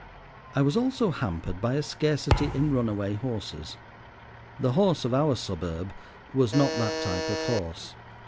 I was also hampered by a scarcity in runaway horses. The horse of our suburb was not that type of horse.